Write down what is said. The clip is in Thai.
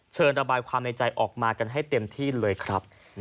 ระบายความในใจออกมากันให้เต็มที่เลยครับ